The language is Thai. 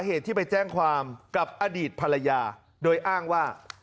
แต่ที่จริงเขาไม่ได้บอกเขาบอกว่าส่งให้แล้ว